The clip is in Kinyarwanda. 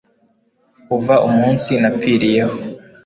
kuva umunsi napfiriyeho